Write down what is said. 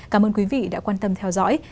cảm ơn quý vị đã quan tâm theo dõi